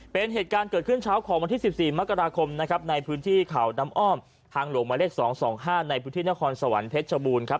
เป็นเหตุการณ์เกิดขึ้นเช้าของวันที่๑๔มกราคมนะครับในพื้นที่เขาน้ำอ้อมทางหลวงหมายเลข๒๒๕ในพื้นที่นครสวรรค์เพชรชบูรณ์ครับ